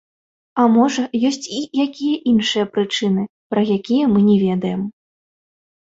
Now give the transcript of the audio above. А, можа, ёсць і якія іншыя прычыны, пра якія мы не ведаем.